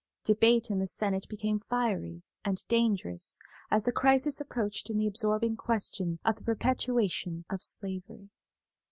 Debate in the Senate became fiery and dangerous as the crisis approached in the absorbing question of the perpetuation of slavery.